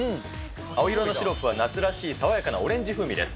青色のシロップは夏らしい爽やかなオレンジ風味です。